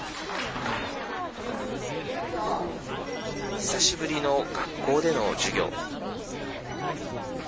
久しぶりの学校での授業。